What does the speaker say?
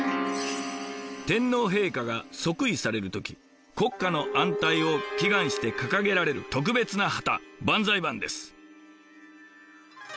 天皇陛下が即位される時国家の安泰を祈願して掲げられる特別な旗万歳旛です。